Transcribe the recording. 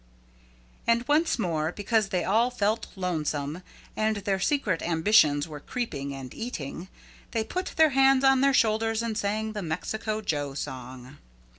And once more because they all felt lonesome and their secret ambitions were creeping and eating, they put their hands on their shoulders and sang the Mexico Joe song.